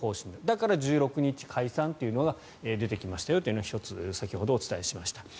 だから１６日解散というのが出てきましたよというのを１つ、先ほどお伝えしました。